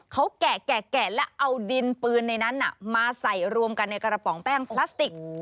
เขาแกะและเอาดินปืนในนั้นมาใส่รวมกันในกระป๋องแป้งพลาสติก